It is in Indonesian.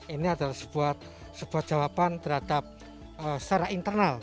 ini adalah sebuah jawaban terhadap secara internal